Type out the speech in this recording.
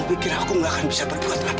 kamu pikir aku nggak bisa berbuat apa apa